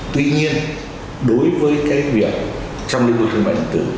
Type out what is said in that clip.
tuy nhiên đối với cái việc trong lĩnh vực thương mại điện tử